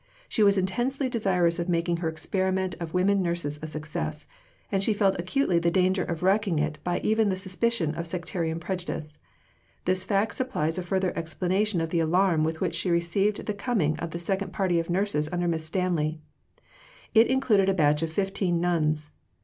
She was intensely desirous of making her experiment of woman nurses a success, and she felt acutely the danger of wrecking it by even the suspicion of sectarian prejudice. This fact supplies a further explanation of the alarm with which she received the coming of the second party of nurses under Miss Stanley. It included a batch of fifteen nuns.